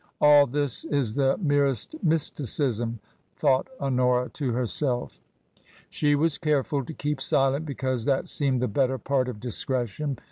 " All this is the merest mysticism," thought Honora to herself She was careful to keep silent, because that seemed the better part of discretion.